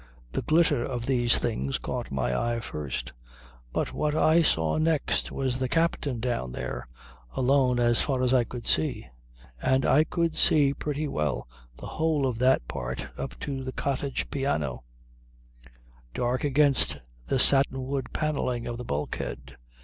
The glitter of these things caught my eye first; but what I saw next was the captain down there, alone as far as I could see; and I could see pretty well the whole of that part up to the cottage piano, dark against the satin wood panelling of the bulkhead.